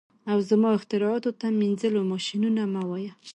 او زما اختراعاتو ته مینځلو ماشینونه مه وایه